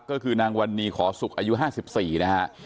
ก็คือนางวันนี้ขอสุกอายุ๕๔นะฮะ